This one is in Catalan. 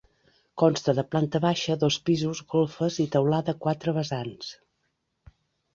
Consta de planta baixa, dos pisos, golfes i teulada a quatre vessants.